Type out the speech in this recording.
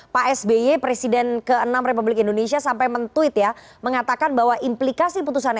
pak sby presiden keenam republik indonesia sampai mentuit ya mengatakan bahwa implikasi putusan